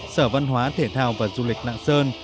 sở văn hóa thể thao và du lịch lạng sơn